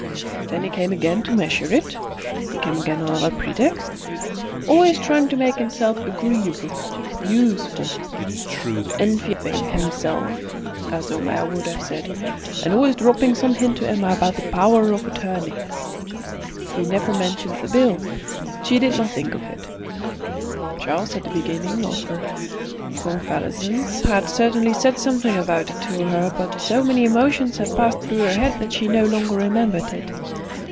Then he came again to measure it; he came again on other pretexts, always trying to make himself agreeable, useful, "enfeoffing himself," as Homais would have said, and always dropping some hint to Emma about the power of attorney. He never mentioned the bill; she did not think of it. Charles, at the beginning of her convalescence, had certainly said something about it to her, but so many emotions had passed through her head that she no longer remembered it.